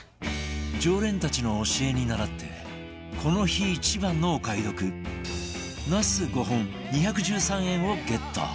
常連たちの教えにならってこの日一番のお買い得ナス５本２１３円をゲット